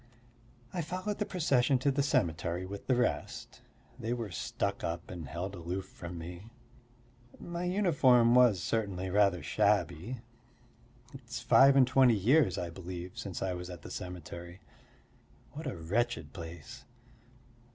I followed the procession to the cemetery with the rest; they were stuck up and held aloof from me. My uniform was certainly rather shabby. It's five and twenty years, I believe, since I was at the cemetery; what a wretched place!